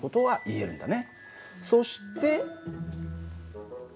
そして。